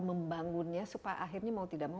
membangunnya supaya akhirnya mau tidak mau